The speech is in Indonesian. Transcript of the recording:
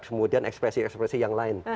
kemudian ekspresi ekspresi yang lain